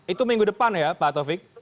itu minggu depan ya pak taufik